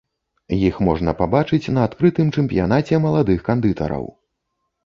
Іх можна пабачыць на адкрытым чэмпіянаце маладых кандытараў.